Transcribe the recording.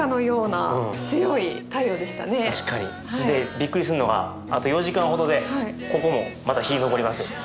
びっくりするのがあと４時間ほどでここもまた日昇ります。